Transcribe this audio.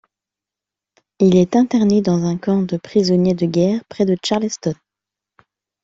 Il est interné dans un camp de prisonnier de guerre près de Charleston.